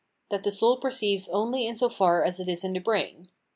That the soul perceives only in so far as it is in the brain.